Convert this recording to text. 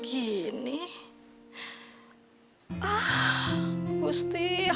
aku sangat sedih